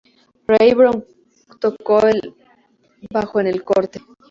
Ray Brown tocó el bajo en el corte.